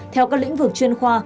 theo các lĩnh vực chuyên khoa